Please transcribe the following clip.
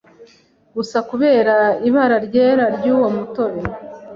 gusa kubera ibara ryera ry’uwo mutobe